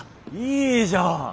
いいじゃん。